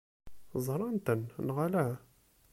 Ẓṛant-ten neɣ ala?